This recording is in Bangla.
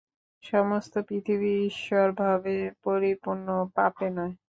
সমস্ত পৃথিবী ঈশ্বরভাবে পরিপূর্ণ, পাপে নয়।